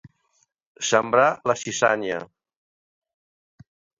Sembrar la zitzània.